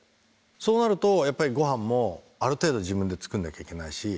そうなるとやっぱりごはんもある程度自分で作んなきゃいけないし。